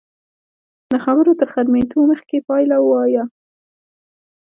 د خبرو تر ختمېدو مخکې پایله وایو.